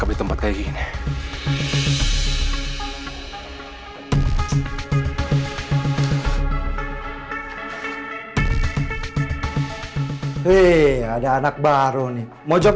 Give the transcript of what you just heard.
aku coba telfon balik deh